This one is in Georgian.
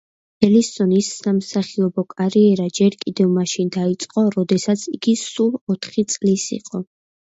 ელისონის სამსახიობო კარიერა ჯერ კიდევ მაშინ დაიწყო, როდესაც იგი სულ ოთხი წლის იყო.